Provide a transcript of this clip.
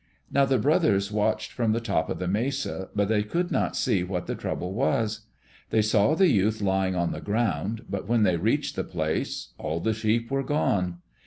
Now the brothers watched from the top of the mesa but they could not see what the trouble was. They saw the youth lying on the ground, but when they reached the place, all the sheep were gone.